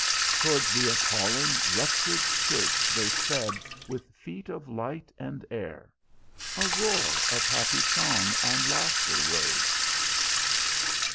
Towards the appalling, ruptured church they sped with feet of light and air. A roar of happy song and laughter rose.